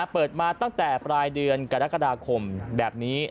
เปิดมาตั้งแต่ปลายเดือนกรกฎาคมแบบนี้